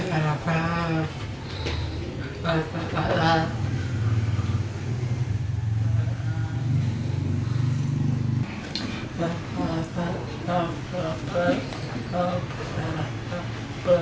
hai apa kabar